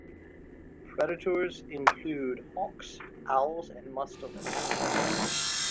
Predators include hawks, owls, and mustelids.